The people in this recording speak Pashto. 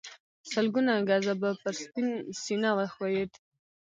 سلګونه ګزه به پر سينه وښويېد.